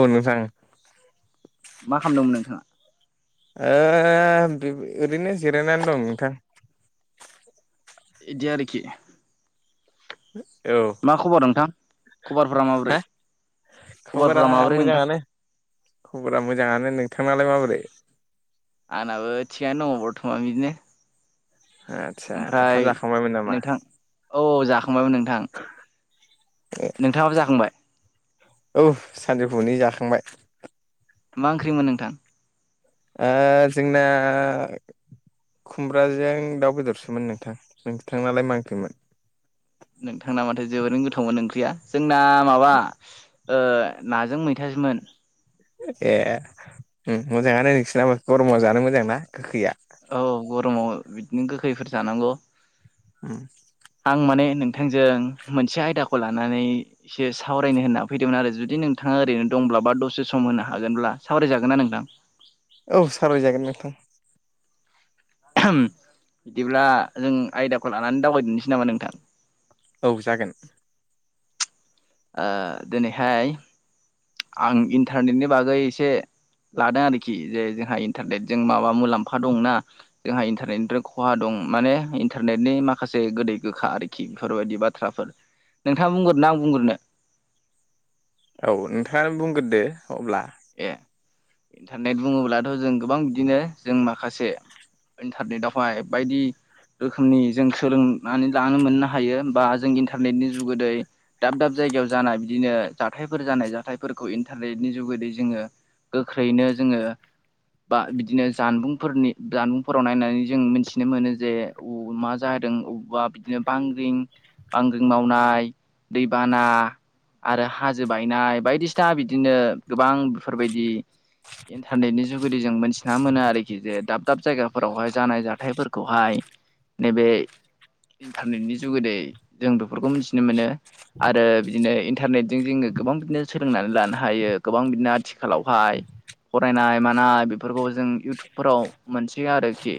औ नोंथां औ मा खामदोंमोन नोंथाङा? ओ बिब ओरैनो जिरायनानै दं नोंथां। बिदि आरोखि हो मा खबर नोंथां खबरफोरा माबोरै हा खबरा खबरफोरा माबोरै नोंथां मोजाङानो खबरा मोजाङानो नोंथांनाालाय माबोरै आंनाबो थिगानो दङ बर्थमान बिदिनो आदसा ओमफ्राय ओंखाम जाखांबायमोन नामा नोंथां औ औ जाखांबायमोन नोंथां नोंथाङाबो जाखांबाय औ सानजौफनै जाखांबाय मा ओंख्रिमोन नोंथां आ जंना खुमब्राजों दाउ बेदरसोमोन नोंथां नोंसथां नालाय मांखोमोन नोंथांना माथो जोबोरैनो गोथावमोन ओंख्रिया जोंना माबा नाजों मैथासोमोन ए मोजाङानो नोंसोरना गरमाव जानो मोजां नना गोखैया औ गरमाव बिदिनो गोखैफोर जानांगौ औ आं माने नोंथांजों मोनसे आयदाखौ लानानै एसे सावरायनो होनना फैदोंमोन आरो जुदि नोंथाङा ओरैनो दंब्ला बा दसे सम होनो हागोनब्ला सावरायजागोन नना नोंथां औ सालायजागोन नोंथां बिदिब्ला जों आयदाखौ लानानै दावबायदनोसै नामा नोंथां औ जागोन दिनैहाय आं इन्टारनेटनि बागै एसे लादों आरोखि जे जोंहा इन्टारनेटजों माबा मुलाम्फा दंनाा जोंहा इन्टारनेटनिफ्राय खहा दं माने इन्टारनेटनि माखासे गोदै गोखा आरोखि आरोखि बेफोरबायदि बाथ्राफोर नोंथाङा बुंग्रोना आं बुंग्रोनो औ नोंथाङा बुंग्रोदो अब्ला ए इन्टारनेट बुङोब्लाथ' जों गोबां बिदिनो जों माखासे ओनथारनि दााय बायदि रोखोमनि जों सोलोंनानै लानो मोननो हायो बा जों इन्टारनेटनि जुगोदै दाब दाब जायगायाव जाना बिदिनो जाथायफोर जानाय जाथायफोरखौ इन्टारनेटनि जुगैद जोङो गोख्रैनो जोङो बा बिदिनो जानबुंफोरनि जानबुंफोराव नायनानै जों मिथिनो मोनो जे मााहोदों बबावबा बिदिनो बांग्रिं बांग्रिं मावनाय दैबाना आरो हाजो बायनाय बायदिसिना बिदिनो गोबां बेफोरबायदि इन्टारनेटनि जुगेदि जों मिथिना मोनो आरोखि जे दाब दाब जायगाफोरावहाय जानाय जाथायफोरखौहाय नैबे इन्टारनेटनि जुगैदै जों बेफोरखौ मिथिनो मोनो आरो बिदिनो इन्टारनेटजों जोङो गोबां बिदिनो सोलोंनानै लानो हायो गोबां बिदिनो आथिखालावहाय फरायनाय मानाय बेफोरखौ जों इउटुबफोराव मोनसोयो आरोखि।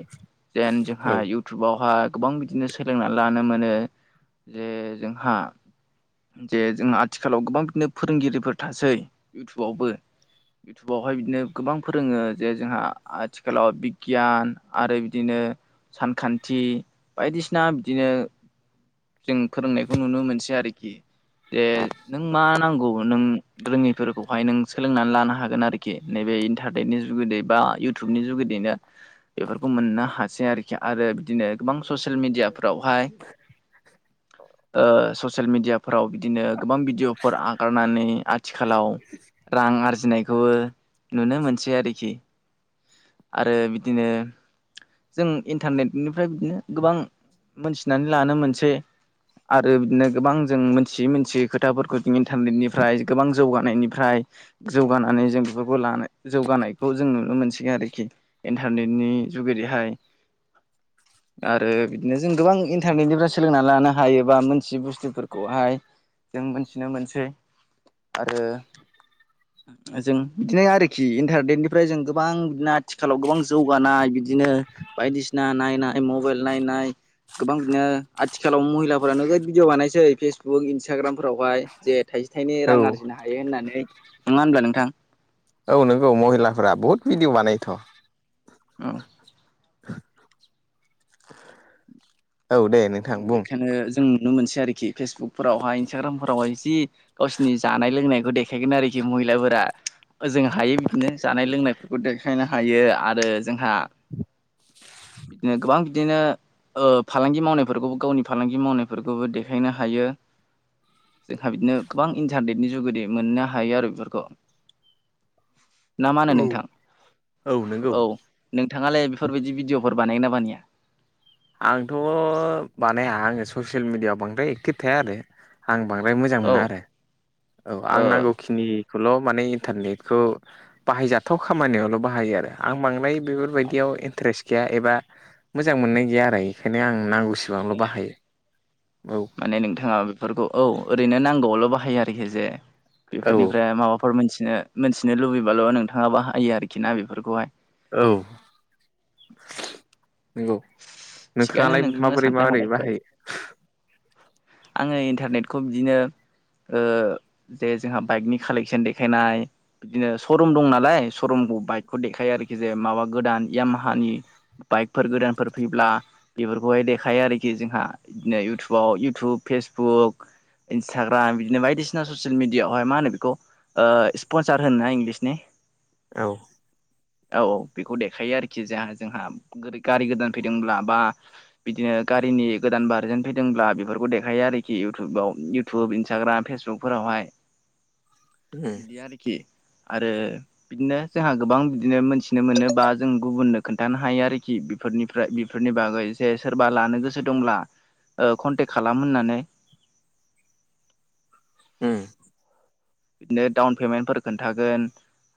जेन जोंहा औ इउटुबावहा गोबां बिदिनो सोलोंना लानो मोनो। जे जोंहा जे जोंहा आथिखालाव गोबां बिदिनो फोरोंगिरिफोर थासै इउटुबावबो। इउटुबावहाय बिदिनो गोबां फोरोङो जे जोंहा आथिखालाव बिगियान आरो बिदिनो सानखान्थि बायदिसिना बिदिनो जों फोरोंनायखौ नुनो मोनसै आरोखि। जे नों मा नांगौ नों रोङैफोरखौहाय नों सोलोंनानै लानो हागोन आरोखि नैबे इन्टारनेटनि जुगोदै बा इउटुबनि जुगेदैनो। बेफोरखौ मोननो हासै आरोखि आरो बिदिनो गोबां ससियेल मिडियाफ्रावहाय औ। ओ ससियेल मिडियाफोराव बिदिनो गोबां भिडिअ'फोर आगारनानै आथिखालाव रां आरजिनायखौबो नुनो मोनसै आरोखि। आरो बिदिनो जों इन्टारनेटनिफ्राय बिदिनो गोबां मोनथिनानै लानो मोनसै। आरो बिदिनो गोबां जों मोनथियै मोनथियै खोथाफोरखौ जों इन्टारनेटनिफ्राय गोबां जौगानायनिफ्राय जौगानानै जों बेफोरखौ लानो जौगानायखौ जों नुनो मोनसिगोन आरोखि इन्टारनेटनि जुगेदिहाय [inaudible] आरो बिदिनो जों गोबां इन्टारनेटनिफ्राय सोलोंनानै लानो हायोबा मोनथियै बुस्थुफोरखौहाय जों मोनथिनो मोनसै आरो जों बिदिनो आरोखि इन्टारनेटनिफ्राय जों गोबां बिदिनो आथिखालाव गोबां जौगानाय बिदिनो बायदिसिना नायनाय मबाइल नायनाय। गोबां बिदिनो आथिखालाव महिलाफोरा नोगोद भिडिअ' बानायसै फेस बुक इन्सटाग्रामफोरावहाय जे थाइसे थाइनै औ रां आरजिनो हायो होननानै नङा होनब्ला नोंथां? औ नंगौ महिलाफोरा बहुत भिदिअ' बानायोथ'। औ। औ दे। नोंथां बुं बेखायनो जों नुनो मोनसै आरोखि फेसबुकफोरावहाय इन्सटाग्रामफोरावहाय जि गावसिनि जानाय लोंनायखौ देखायगोन आरोखि महिलाफोरा। ओजों हायो बिदिनो जानाय लोंनायफोरखौ देखायनो हायो आरो जोंहा बिदिनो गोबां बिदिनो ओ फालांगि मावनाय फोरखौबो गावनि फालांगि मावनायफोरखौबो देखायनो हायो। जोंहा बिदिनो गोबां इन्टारनेटनि जुगेदि मोननो हायो आरो बेफोरखौ। [inaudible] ना मा होनो नोंथां औ नोंथाङालाय बेफोरबायदि भिडिअ'फोर बानायगोना बानाया? आंथ' बानाया आङो ससियेल मिडियाआव बांद्राय एकटिभ थाया आरो। आं बांद्राय मोजां औ मोना आरो औ ओ आं नांगौखि निखौल' माने इन्टारनेटखौ बाहायजाथाव खामानियावल' बाहायो आरो आं बांद्राय बेफोरबायदियाव इन्टारेस्ट गैया एबा मोजां मोननाय गैया आरो इखायनो आं नांगौसिबांल' बाहायो औ। माने नोंथाङा बेफोरखौ औ ओरैनो नांगौआवल' बाहायो आरोखि जे औ बेफोरनिफ्राय माबा फोर मोनथिनो मोनथिनो लुबैबाल' नोंथाङा बाहायो आरोखि ना बेफोरखौहाय। औ। नंगौ थिगानो नोंथाङालाय नोंथांना माबोरै साननाय माबोरै हनायफ्रा बाहायो? आङो इन्टारनेटखौ बिदिनो ओ जे जोंहा बाइकनि कालेकसन देखायनाय बिदिनो स' रुम दं नालाय स' रुमखौ बाइकखौ देखायो आरोखि जे माबा गोदान इयामाहानि बाइकफोर गोदानफोर फैब्ला बेफोरखौहाय देखायो आरोखि जोंहा बिदिनो इउटुबाव इउटुब फेसबुक इन्सटाग्राम बिदिनो बायदिसिना ससियेल मिडियाआवहाय मा होनो बेखौ ओ स्पनसार होनो ना इंल्गिस नि औ औ औ बेखौ देखायो आरोखि जोंहा जोंहा गारि गोदान फैदोंब्ला बा बिदिनो गारिनि गोदान भारजेन फैदोंब्ला बेफोरखौ देखायो आरोखि इउटुबाव इउटुब इन्स्टाग्रा फेसबुकफोरावहाय [inaudible] उम बिदि आरोखि आरो बिदिनो जोंहा गोबां बिदिनो मोनथिनो मोनो बा जों गुबुननो खोन्थानो हायो आरोखि बेफोरनि ओमफ्राय बेफोरनि बागै जे सोरबा लानो गोसो दंब्ला कनटेक्ट खालाम होननानै उम बिदिनो डाउन पेमेन्टफोर खोन्थागोन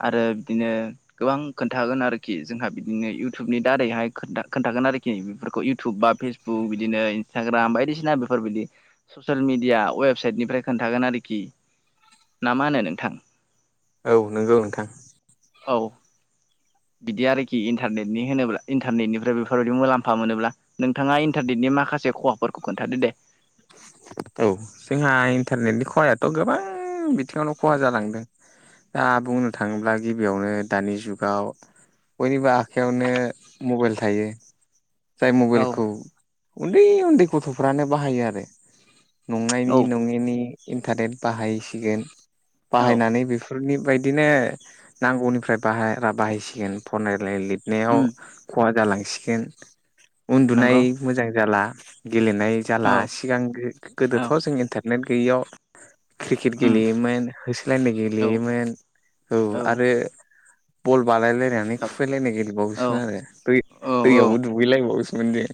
आरो बिदिनो गोबां खोन्थागोन आरोखि जोंहा बिदिनो इयउटुबनि दारैहाय खोनथा खोन्थागोन आरोखि बेफोरखौ इउटुब बा फेस बुक बिदिनो इन ग्राम बायदिसिना बेफोरबायदि ससियेल मिडिया वेबसाइटनिफ्राय खोन्थागोन आरोखि। ना मा होनो नोंथां? औ नंगौ नोंथां औ बिदि आरोखि इन्टारनेटनि होनोब्ला इन्टारनेटनिफ्राय बेफोरबायाददि मुलाम्फा मोनोब्ला नोंथाङा इन्टारनेटनि माखासे खहाफोरखौ खोनथादो दे? औ जोंहा इन्टारनेटनि खहायाथ' गोबां बिथिङावनो खहा जालांदों। दा बुंनो थाङोब्ला गिबियावनो दानि जुगाव बयनिबो आखाइायावनो मबाइल थायो। जाय औ मबाइलखौ उन्दै उन्दै गथ'फ्रानो बाहायो आरो। नंनायनि औ नङिनि इन्टारनेट बाहायसिगोन औ बाहायनानै बे फोरनि बायदिनो नांगौनिफ्राय बाहायरा बाहायसिगोन फरायनाय लिरनायाव उम खहा जालांसिगोन उन्दुनाय नंगौ मोजां जाला गेलेनाय जाला औ सिगां औ गो-गोदोथ' जों इन्टारनेट गैयैयाव क्रिकेट उम गेलेयोमोन होसोलायनाय औ गेलेयोमोन औ आरो बल बानायायलायनानै जाबाय खुुबैलायनाय औ गेलेबावोसोमोन आरो औ औ दैयावबो दुगैलायबावोसोमोन जे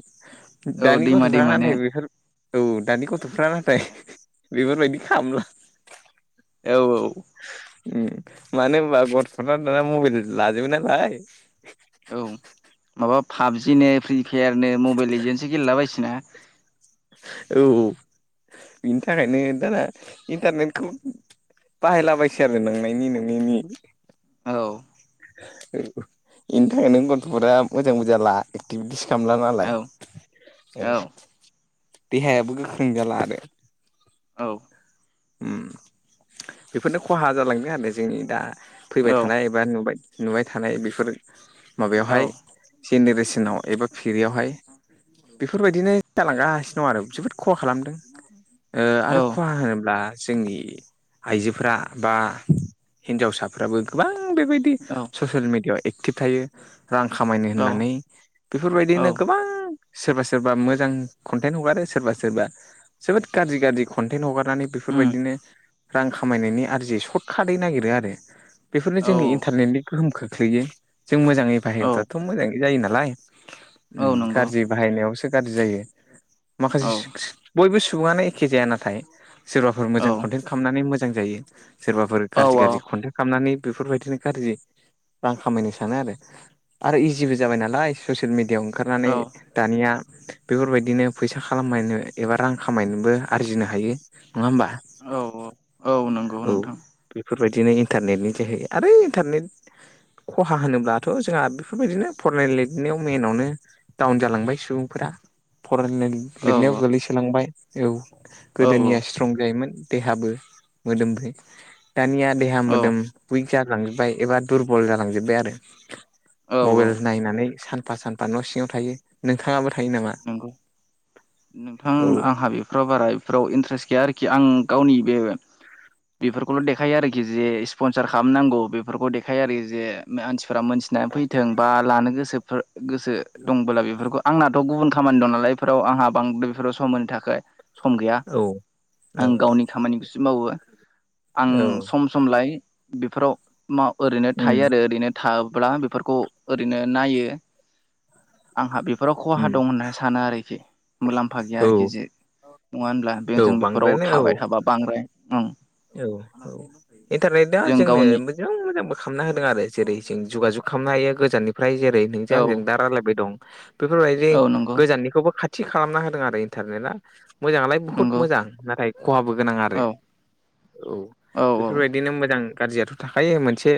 औ दानि दैमा गथ'फ्रा दैमानो नाथाय बेफोर औ दानि गथ'फ्रा नाथाय बेफोरबायदि खालामला औ औ उम मानो होनबा गथफोरा दाना मबाइल लाजोबो नालाय औ माबा पाबजिनो फ्रिफायारनो मबाइल एजेन्सो गेलेला बायसैना औ बिनि थाखायनो दाना इन्टारनेटखौ बाहायलाबायसै आरो नोंनायनि नोङिनि औ इनि थाखाय नों गथ'फोरा मोजांबो जाला एक्टिभिटिस खालामला औ नालाय औ देहायाबो गोख्रों जाला आरो औ उम बेफोरनो खहा जालांदों आरो जोंनि दा फैबाय औ थानाय बा नुबाय नुबाय थानाय बेफोर औ माबायावहाय जेनेरेसनाव एबा फिरियावहाय। बेफोरबायदिनो जालांगासिनो दं आरो जोबोद खहा खालामदों ओ आरो खहा होनो ब्ला जोंनि आइजोफोरा बा हिनजावसाफ्राबो गोबां बेबाय दि ससियेल मिडियाआव एक्टिभ थायो। रां खामायनो औ होननानै औ बेफोरबायदिनो गोबां सोरबा सोरबा मोजां कन्टेन्ट हगारो सोरबा सोरबा जोबोद गाज्रि गाज्रि कन्टेन्ट हगारनानै बे उम बेफोरबायदिनो रां खामायनायनि आरजियै सर्ट कार्टयै नागिरो आरो बेफोरनो औ जोंनि इन्टारनेटनि गोहोम खोख्लैयो जों मोजाङै औ बाहायोब्लाथ' मोजाङै जायो नालाय औ नंगौ गाज्रि बाहायनायावसो गाज्रि जायो माखासे औ [unintelligible] बयबो सुबुङानो एखे जाया नाथाय सोरबाफोर मोजां औ कन्टेन्ट खालामनानै मोजां जायो। सोरबाफोर औ गाज्रि गाज्रि कन्टेन्ट खालामनानै बेफोरबायदिनो गाज्रि रां खामायनो सानो आरो आरो इजिबो जाबाय नालाय। ससियेल मिडियायाव औ ओंखारनानै दानिया बेफोरबायदिनो फैसा खालामायनो एबा रां खामायनोबो आरजिनो हायो नङा होमबा। औ औ औ नंगौ औ नोंथां। बेफोरबायदिनो इन्टारनेटनि जोहै आरो इन्टारनेट खहा होनोब्लाथ' जोंहा बेफोरबायदिनो फरायनाय लिरनायाव मेनावनो डाउन जालांबाय सुबुंफोरा फराय औ लिरनायाव गोग्लैसोलांबाय औ औ गोदोनिया स्ट्रं जायोमोन देहाबो मोदोमबो दानिया देहा औ मोदोम बै जालांजोबबाय एबा दुरबल जालांजोबबाय आरो औ औ मबाइल नायनानै सानफा सान फा न'सिङाव थायो। नोंथाङाबो थायो नामा? नंगौ नोंथां औ आंहा बेफोराव बाराय फोराव इन्ट्रेस्ट गैया आरोखि आं गावनि बे बेफोरखौल' देखायो आरोखि जे स्पनसार खालामनांगौ बेफोरखौ देखायो आरोखि जे मानसिफोरा मोनथिनानै फैथों बा लानो गोसोफोर गोसो दंबोला बेफोरखौ आंनाथ' गुबुन खामानि दं नालाय बेफोराव आंहा बांद्राय बेफोराव समनि थाखाय। सम गैया औ आं गावनि खामानिखौस सो मावो आं औ सम समलाय बेफोराव माव ओरैनो थायो आरो ओरैनो थाब्ला बेफोरखौ ओरैनो नायो आंहा बेफोराव खहा दं होननानै साना आरोखि मुलाम्फा गैया औ आरोखि जे नङा होनब्ला औ बेजों बेफोराव बांद्रायानो औ थाबाय थाबा बांद्राय ओं। औ औ इन्टारनेटा जों जोंनो बेराद गावनि मोजांबो खालामना होदों आरो जेरै जों जुगा जुग खालामनो हायो गोजाननि फ्राय जेरै नोंजों औ आंजों दा राय्लायबाय दं बेफोरबायदि औ नंगौ गोजाननिखौबो खा थि खालामना होदों आरो इन्टारनेटआ मोजाङालाय बुहुत नंगौ मोजां नाथाय खहाबो गोनां आरो। औ औ बेफोरबायदिनो मोजां गाज्रियाथ' थाखायो मोनसे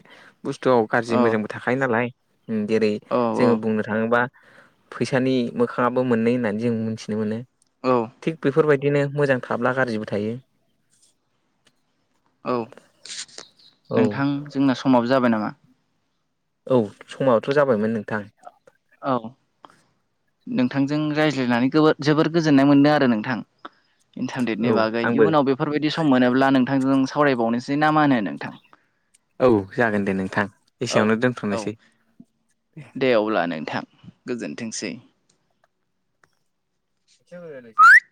बुस्थुआव गाज्रि औ मोजां थाखायायो नालाय उम जेरै औ जोङो बुंनो थाङोब्ला फैसानि मोखाङाबो मोननै होननानै जों मोनथिनो मोनो। औ थिग बेफोरबायदिनो मोजां थाब्ला गाज्रिबो थायो। औ औ नोंथां जोंना समाबो जाबाय नामा? औ समायथ' जाबायमोन नोंथां। औ नोंथांजों रायज्लायनानै गोबोर जोबोर गोजोननाय मोनदों आरो नोंथां। औ इन्टारनेटनि बागै आंबो इयुनाव बेफोरबायदि सम मोनोब्ला नोंथांजों सावरायबावनोसै ना मा होनो नोंथां? औ जागोन दे नोंथां। औ एसेयावनो औ दोनथ'नोसै दे अब्ला नोंथां गोजोनथोंसै। [unintelligible]